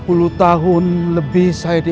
kamu harus terima kasih